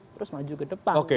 terus maju ke depan